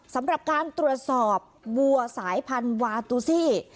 สำหรับการตรวจสอบวัวสายพันธุ์วาตูซี่